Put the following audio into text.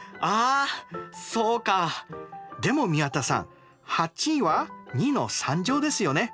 でも宮田さん８は２の３乗ですよね。